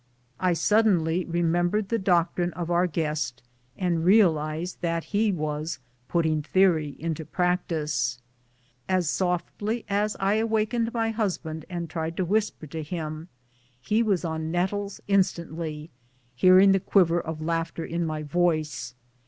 I suddenly remembered the doc trine of our guest, and realized that he was putting the ory into practice. As softly as I awakened my husband, A BLIZZARD. 29 and tried to whisper to him, he was on nettles instant ly, hearing the quiver of laughter in my voice.